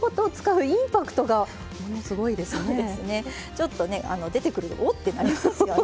ちょっとね出てくると「おっ？」ってなりますよね